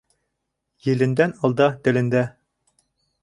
Елендән алда телендә.